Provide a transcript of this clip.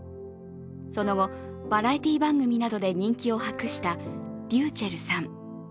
その後、バラエティー番組などで人気を博したｒｙｕｃｈｅｌｌさん。